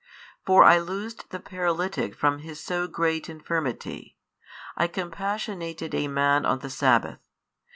For I loosed the paralytic from his so great infirmity, I compassionated a man on the sabbath.